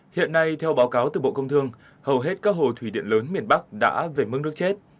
hiện nay theo báo cáo từ bộ công thương hầu hết các hồ thủy điện lớn miền bắc đã về mức nước chết